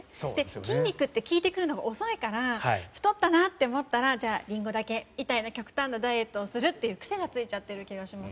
筋肉って効いてくるのが遅いから太ったなと思ったらリンゴだけみたいな極端なダイエットをする癖がついている気がします。